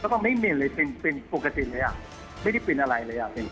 แล้วก็ไม่มินเลยมินโฟกาซินเลยอ่ะไม่ได้มินอะไรเลยอ่ะ